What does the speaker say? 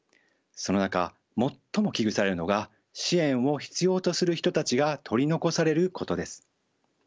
その中最も危惧されるのが支援を必要とする人たちが取り残されることです。